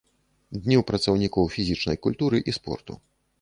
Дню працаўнікоў фізічнай культуры і спорту.